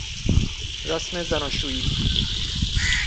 رسم زناشویی